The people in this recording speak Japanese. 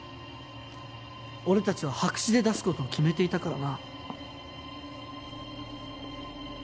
俺たちは白紙で出す事を決めていたからな。